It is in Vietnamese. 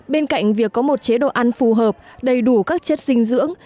bên cạnh việc có một chế độ ăn phù hợp đầy đủ các chất dinh dưỡng